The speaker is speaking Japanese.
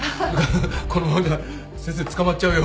このままじゃ先生捕まっちゃうよ。